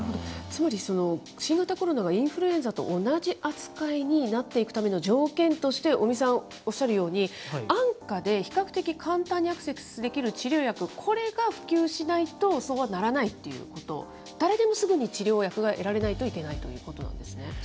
つまり新型コロナがインフルエンザと同じ扱いになっていくための条件として、尾身さんおっしゃるように、安価で比較的簡単にアクセスできる治療薬、これが普及しないとそうはならないっていうこと、誰でもすぐに治療薬が得られないといけないということなんですね。